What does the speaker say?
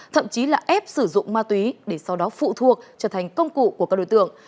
thậm chí là ép sử dụng ma túy để sau đó phụ thuộc trở thành công cụ của các đối tượng